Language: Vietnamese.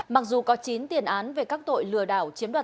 mặc dù có chín tiền án về các tội lừa đảo chiếm đoạt